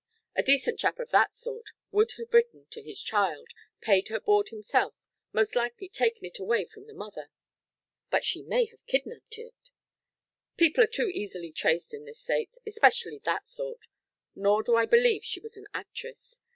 A decent chap of that sort would have written to his child, paid her board himself, most likely taken it away from the mother " "But she may have kidnapped it " "People are too easy traced in this State especially that sort. Nor do I believe she was an actress.